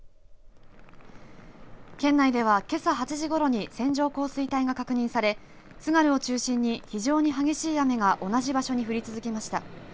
県内では、けさ８時ごろに線状降水帯が確認され津軽を中心に非常に激しい雨が同じ場所に降り続きました。